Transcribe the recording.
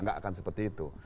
gak akan seperti itu